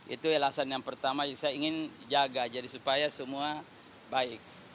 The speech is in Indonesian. itu alasan yang pertama yang saya ingin jaga jadi supaya semua baik